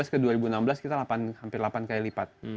dua ribu lima belas ke dua ribu enam belas kita hampir delapan kali lipat